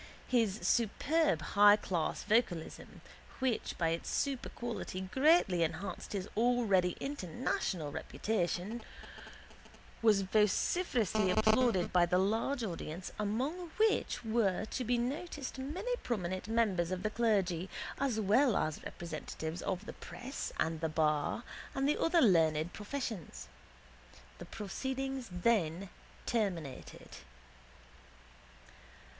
His superb highclass vocalism, which by its superquality greatly enhanced his already international reputation, was vociferously applauded by the large audience among which were to be noticed many prominent members of the clergy as well as representatives of the press and the bar and the other learned professions. The proceedings then terminated.